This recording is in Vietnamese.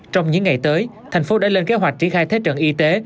trong những ngày tới thành phố đã lên kế hoạch triển khai thế trận y tế